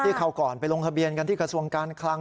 คราวก่อนไปลงทะเบียนกันที่กระทรวงการคลัง